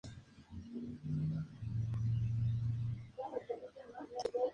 La clasificación de los gibones ha tenido muchos cambios durante los últimos tiempos.